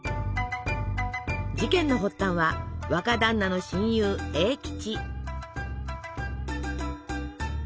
事件の発端は若だんなの親友栄吉。